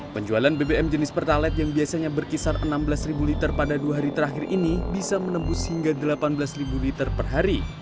penjualan bbm jenis pertalite yang biasanya berkisar enam belas liter pada dua hari terakhir ini bisa menembus hingga delapan belas liter per hari